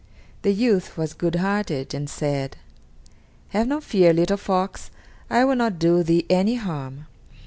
The youth was good hearted, and said: "Have no fear, little fox; I will not do thee any harm."